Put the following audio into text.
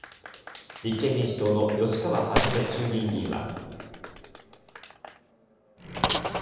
立憲民主党の吉川元衆議院議員は。